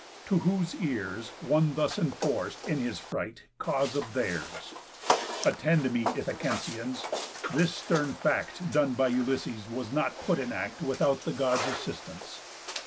To whose ears One thus enforc'd, in his fright, cause of theirs: "Attend me, Ithacensians! This stern fact Done by Ulysses was not put in act Without the Gods' assistance.